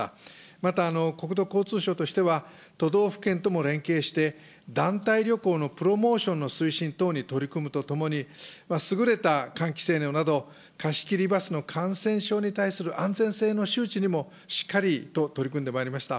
また、国土交通省としては、都道府県とも連携して、団体旅行のプロモーションの推進等に取り組むとともに、優れた換気性能など、貸し切りバスの感染症に対する安全性の周知にも、しっかりと取り組んでまいりました。